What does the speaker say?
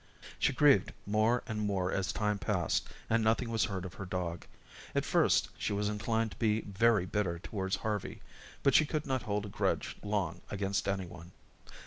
She grieved more and more as time passed and nothing was heard of her dog. At first, she was inclined to be very bitter towards Harvey, but she could not hold a grudge long against any one.